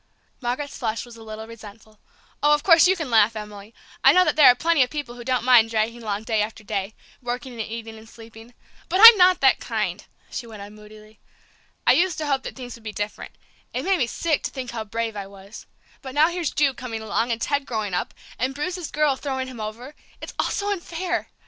Margaret's flush was a little resentful. "Oh, of course, you can laugh, Emily. I know that there are plenty of people who don't mind dragging along day after day, working and eating and sleeping but I'm not that kind!" she went on moodily. "I used to hope that things would be different; it makes me sick to think how brave I was; but now here's Ju coming along, and Ted growing up, and Bruce's girl throwing him over it's all so unfair!